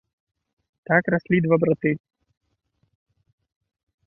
Так раслі два браты.